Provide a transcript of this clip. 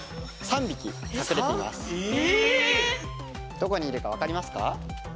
どこにいるか分かりますか？